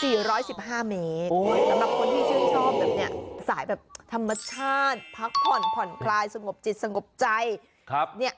สำหรับคนที่ชื่นชอบสายแบบธรรมชาติพักผ่อนผ่อนคลายสงบจิตสงบใจ